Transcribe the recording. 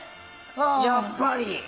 やっぱり！